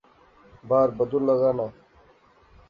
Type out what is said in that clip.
بار بدُل لغا نا